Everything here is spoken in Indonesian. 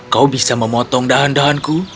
kau bisa memotong dahan dahanku